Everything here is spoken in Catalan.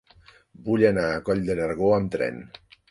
Vull anar a Coll de Nargó amb tren.